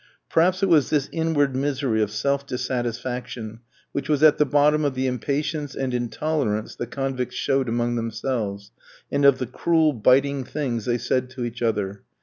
Perhaps it was this inward misery of self dissatisfaction which was at the bottom of the impatience and intolerance the convicts showed among themselves, and of the cruel biting things they said to each other.